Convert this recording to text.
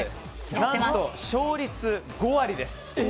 何と勝率５割です。